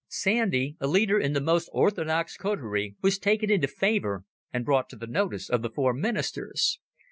Sandy, a leader in this most orthodox coterie, was taken into favour and brought to the notice of the four Ministers.